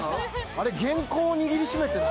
あれ原稿を握り締めてる。